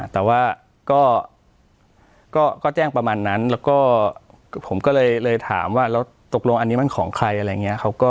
แต่ว่าก็แจ้งประมาณนั้นแล้วก็ผมก็เลยถามว่าแล้วตกลงอันนี้มันของใครอะไรอย่างนี้